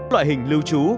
loại hình lưu trú